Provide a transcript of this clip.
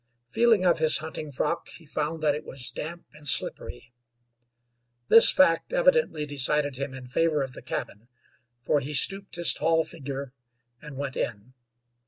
Feeling of his hunting frock, he found that it was damp and slippery. This fact evidently decided him in favor of the cabin, for he stooped his tall figure and went in.